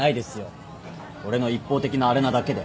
俺の一方的なあれなだけで。